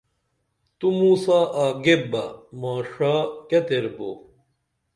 تُو موں ساں آگیپ بہ ماݜ ݜا کیہ تیر بو